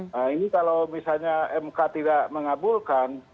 nah ini kalau misalnya mk tidak mengabulkan